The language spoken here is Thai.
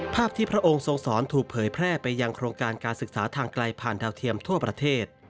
ภาพที่พระองค์ทรงสอนถูกเผยแพร่ไปยังโครงการการศึกษาทางไกลผ่านดาวเทียมทั่วประเทศ